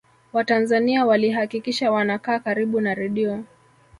watanzania walihakikisha wanakaa karibu na redio